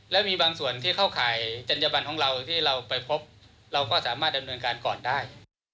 แล้วมีบางส่วนที่เข้าข่ายจัญญบันของเราที่เราไปพบเราก็สามารถดำเนินการก่อนได้